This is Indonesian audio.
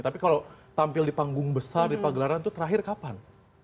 tapi kalau tampil di panggung besar di pagelaran itu terakhir kapan